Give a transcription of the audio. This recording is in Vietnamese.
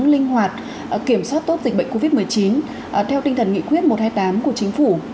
linh hoạt kiểm soát tốt dịch bệnh covid một mươi chín theo tinh thần nghị quyết một trăm hai mươi tám của chính phủ